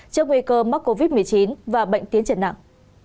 trước nguy cơ mắc covid một mươi chín và bệnh tiến triển nặng